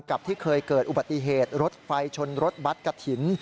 กับที่เคยเกิดอุบัติเหตุรถไฟชนรถบัตรกระถิ่น